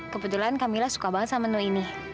kebetulan kamilah suka banget sama menu ini